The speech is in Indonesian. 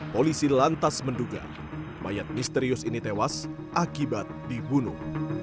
polisi lantas menduga mayat misterius ini tewas akibat dibunuh